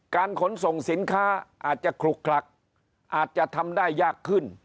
ขนส่งสินค้าอาจจะคลุกคลักอาจจะทำได้ยากขึ้น